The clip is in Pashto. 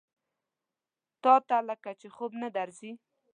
تاته لکه چې خوب نه درځي؟